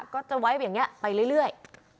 ก็จะไว้อย่างนี้ไปเรื่อย